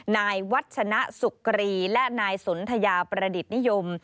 นายวัชนะสุกรีและนายสนทยาประดิษฐ์นิยม